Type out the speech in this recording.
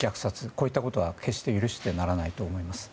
こういったことは決して許してはならないと思います。